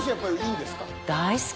大好き。